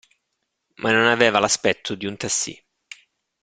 Ma non aveva l'aspetto di un tassì.